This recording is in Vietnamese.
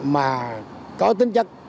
mà có tính chất